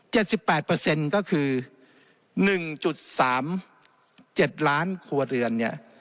สิบแปดเปอร์เซ็นต์ก็คือหนึ่งจุดสามเจ็ดล้านครัวเรือนเนี่ย